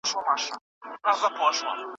خیانت لویه ګناه ده.